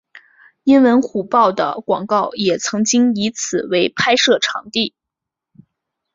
英文虎报的广告也曾经以此为拍摄场地。